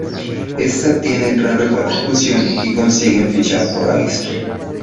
Esta tiene gran repercusión y consiguen fichar por Avispa.